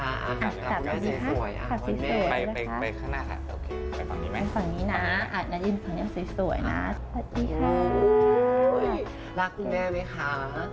รักคุณแม่ไหมคะ